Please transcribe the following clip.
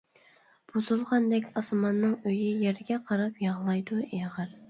بۇزۇلغاندەك ئاسماننىڭ ئۆيى، يەرگە قاراپ يىغلايدۇ ئېغىر.